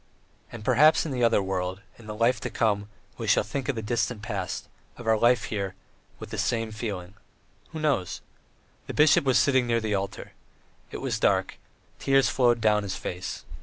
And perhaps in the other world, in the life to come, we shall think of the distant past, of our life here, with the same feeling. Who knows? The bishop was sitting near the altar. It was dark; tears flowed down his face.